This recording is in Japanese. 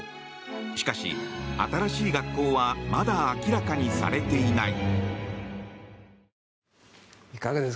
しかし、新しい学校はまだ明らかにされていない。